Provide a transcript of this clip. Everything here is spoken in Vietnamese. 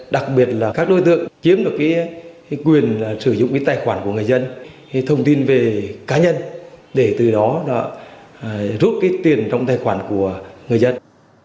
đặc biệt là các đối tượng chiếm được quyền sử dụng cái tài khoản của người dân thông tin về cá nhân để từ đó rút cái tiền trong tài khoản của người dân